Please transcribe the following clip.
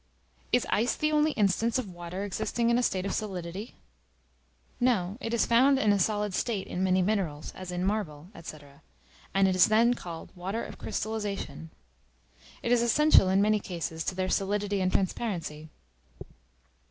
Is ice the only instance of Water existing in a state of solidity? No; it is found in a solid state in many minerals, as in marble, &c., and is then called water of Crystallization. It is essential, in many cases, to their solidity and transparency.